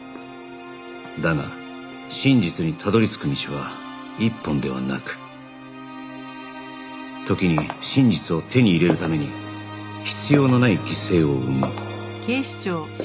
だが真実にたどり着く道は一本ではなく時に真実を手に入れるために必要のない犠牲を生む